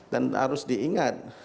dan harus diingat